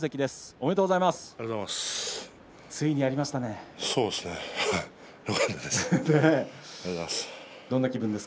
ありがとうございます。